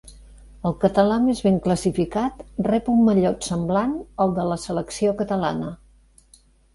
El català més ben classificat rep un mallot semblant al de la selecció catalana.